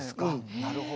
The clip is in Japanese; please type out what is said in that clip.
なるほど。